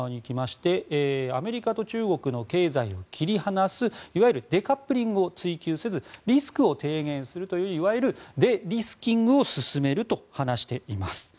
アメリカと中国の経済を切り離すいわゆるデカップリングを追求せずリスクを提言するといういわゆるデリスキングを進めると話しています。